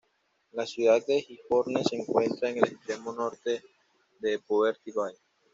La ciudad de Gisborne se encuentra en el extremo norte de Poverty Bay.